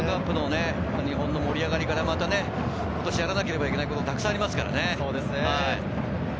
ワールドカップの日本の盛り上がりから今年やらなければいけないことがたくさんありますからね。